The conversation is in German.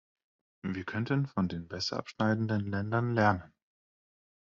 Wir könnten von den besser abschneidenden Ländern lernen.